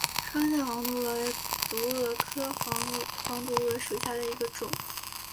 双线黄毒蛾为毒蛾科黄毒蛾属下的一个种。